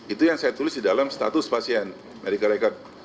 itu yang saya tulis di dalam status pasien amerika serikat